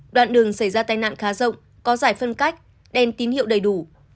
đoạn đường xảy ra tai nạn khá rộng có giải phân cách đen tín hiệu đầy đủ